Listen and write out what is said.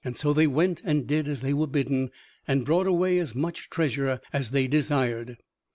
So they went and did as they were bidden, and brought away as much treasure as they desired.